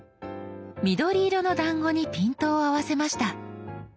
緑色のだんごにピントを合わせました。